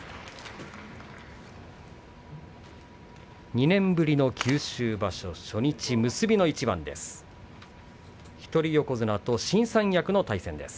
２年ぶりの九州場所初日結びの一番です。